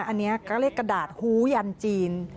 อันนี้ก็เรียกกระดาษหู้ยันจีน